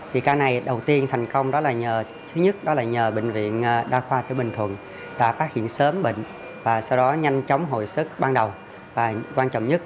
hiện tại bé tỉnh táo không có di chứng